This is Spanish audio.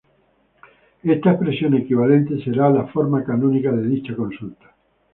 Esta expresión equivalente será la "forma canónica" de dicha consulta.